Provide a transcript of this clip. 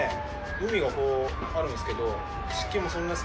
海があるんですけど。